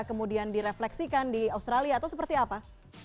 kemudian direfleksikan di australia atau seperti apa